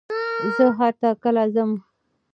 زه ښار ته کله ځم؟